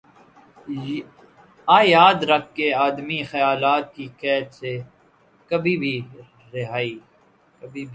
آ۔ یاد رکھ کہ آدمی خیالات کی قید سے کبھی بھی رہائ